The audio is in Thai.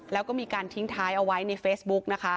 แล้วก็มีการทิ้งท้ายเอาไว้ในเฟซบุ๊กนะคะ